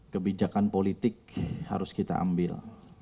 kebijakan politik harus kita ambil